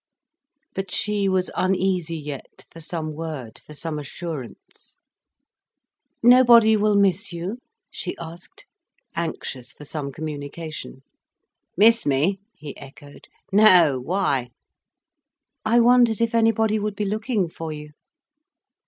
But she was uneasy yet for some word, for some assurance. "Nobody will miss you?" she asked, anxious for some communication. "Miss me?" he echoed. "No! Why?" "I wondered if anybody would be looking for you."